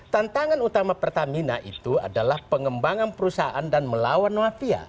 tantangan utama pertamina itu adalah pengembangan perusahaan dan melawan mafia